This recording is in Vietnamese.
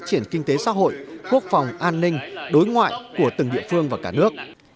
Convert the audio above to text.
triển kinh tế xã hội quốc phòng an ninh đối ngoại của từng địa phương và cả nước